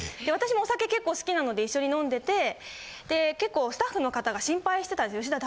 私もお酒結構好きなので一緒に飲んでてで結構スタッフの方が心配してたんですよ。